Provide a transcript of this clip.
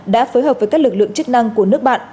đã phối hợp với các lực lượng chức năng của nước bạn